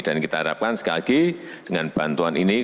dan kita harapkan sekali lagi dengan bantuan ini